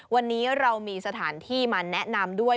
วันนี้เรามีสถานที่มาแนะนำด้วย